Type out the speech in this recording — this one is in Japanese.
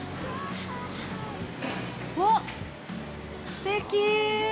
あっ、すてき！